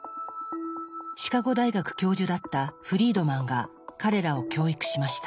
シカゴ大学教授だったフリードマンが彼らを教育しました。